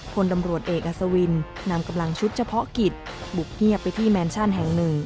คนตำรวจเอกอัศวินนำกำลังชุดเฉพาะกิจบุกเงียบไปที่แมนชั่นแห่งหนึ่ง